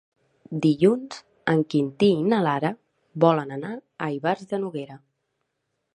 Dilluns en Quintí i na Lara volen anar a Ivars de Noguera.